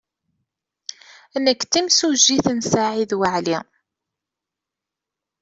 Nekk d timsujjit n Saɛid Waɛli.